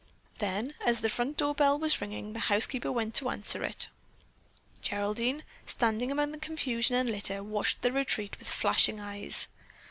Then, as the front door bell was ringing, the housekeeper went to answer it. Geraldine, standing among the confusion and litter, watched the retreat with flashing eyes.